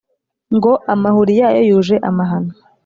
ngo amahuri yayo yuje amahano